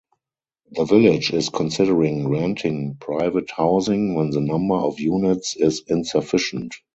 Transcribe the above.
The village is considering renting private housing when the number of units is insufficient.